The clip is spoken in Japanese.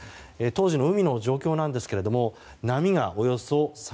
当時の海の状況なんですけども波がおよそ３ｍ